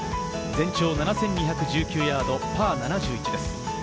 全長７２１９ヤード、パー７１です。